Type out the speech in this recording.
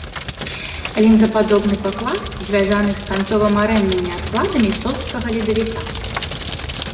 Лінзападобны паклад звязаны з канцова-марэннымі адкладамі сожскага ледавіка.